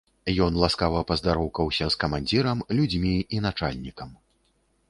Ён ласкава паздароўкаўся з камандзірам, людзьмі і начальнікам.